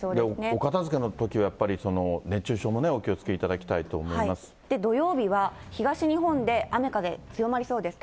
お片づけのときなんかは、やっぱり熱中症もね、お気をつけい土曜日は東日本で雨風、強まりそうです。